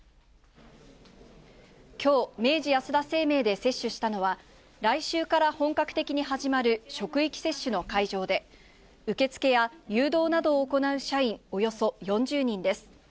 きょう、明治安田生命で接種したのは、来週から本格的に始まる職域接種の会場で、受け付けや誘導などを行う社員およそ４０人です。